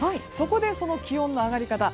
そこでその気温の上がり方。